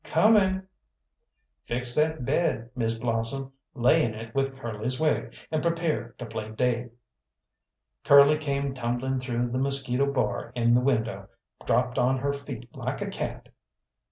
"Coming!" "Fix that bed, Miss Blossom; lay in it with Curly's wig, and prepare to play daid!" Curly came tumbling through the mosquito bar in the window, dropped on her feet like a cat.